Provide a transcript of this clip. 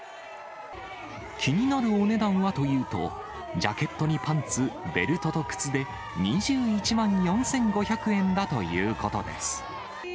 気になるお値段はというと、ジャケットにパンツ、ベルトと靴で２１万４５００円だということです。